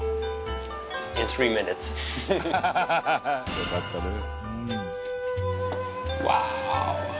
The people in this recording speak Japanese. よかったね。